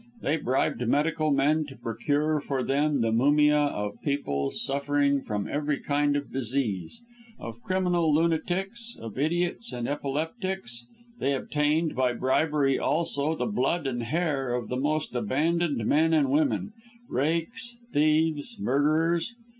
They bribed medical men to procure for them the mumia of people suffering from every kind of disease; of criminal lunatics; of idiots and epileptics; they obtained, by bribery also, the blood and hair of the most abandoned men and women rakes, thieves, murderers.